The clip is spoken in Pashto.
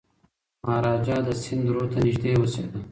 مهاراجا د سند رود ته نږدې اوسېده.